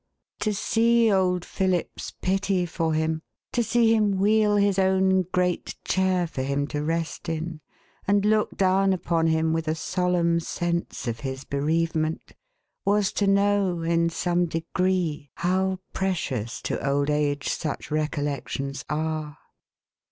" To see old Philip's pity for him, to see him wheel his own great chair for him to rest in, and look down upon him with a solemn sense of his bereavement, was to know, in some degree, how precious to old age such recollections are.